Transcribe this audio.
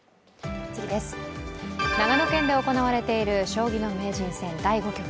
長野県で行われている将棋の名人戦第５局。